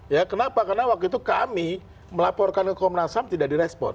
ya kenapa karena waktu itu kami melaporkan ke komnas ham tidak direspon